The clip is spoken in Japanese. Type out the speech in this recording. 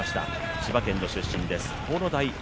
千葉県の出身です。